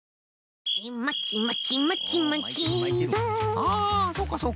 ああそうかそうか。